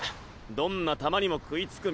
どんな球にも食い付く